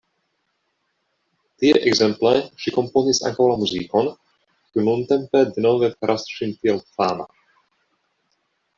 Tie ekzemple ŝi komponis ankaŭ la muzikon, kiu nuntempe denove faras ŝin tiel fama.